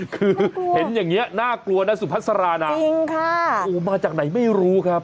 คือเห็นอย่างนี้น่ากลัวนะสุพัสรานะจริงค่ะโอ้มาจากไหนไม่รู้ครับ